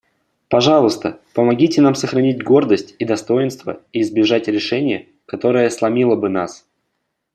Пожалуйста, помогите нам сохранить гордость и достоинство и избежать решения, которое сломило бы нас.